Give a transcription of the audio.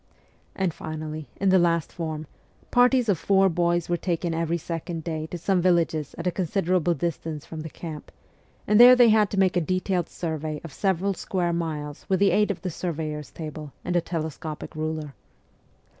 And finally, in the last form, parties of four boys were taken every second day to some villages at a con siderable distance from the camp, and there they had to make a detailed survey of several square miles with the aid of the surveyor's table and a telescopic ruler.